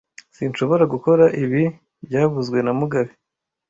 Sinshobora gukora ibi byavuzwe na mugabe